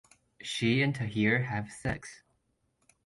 She and Tahir have sex.